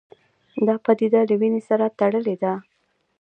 دا پدیده له وینې سره تړلې ده